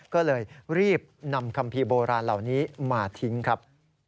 ก็เลยรีบนำคัมภีร์โบราณเหล่านี้มาทิ้งครับ